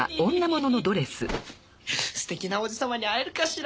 すてきな王子様に会えるかしら。